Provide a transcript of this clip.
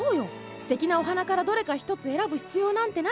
すてきなお花からどれか一つ選ぶ必要なんてない！